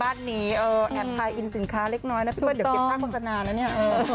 แอดไพรอินสินค้าเล็กน้อยนะพี่เดี๋ยวเก็บผ้าโฆษณาแล้วเนี่ย